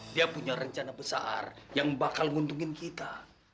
dia punya rencana besar yang bakal nguntungin kita